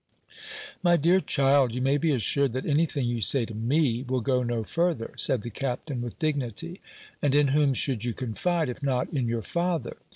"My dear child, you may be assured that anything you say to me will go no further," said the Captain, with dignity; "and in whom should you confide, if not in your father?